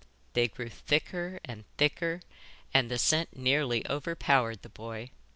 They grew thicker and thicker and the scent nearly overpowered the boy.